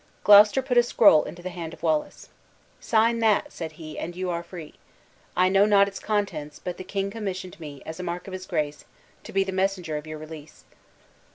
Gloucester put a scroll into the hand of Wallace: "Sign that," said he, "and you are free. I know not its contents; but the king commissioned me, as a mark of his grace, to be the messenger of your release."